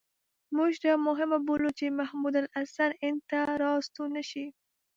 موږ دا مهمه بولو چې محمود الحسن هند ته را ستون نه شي.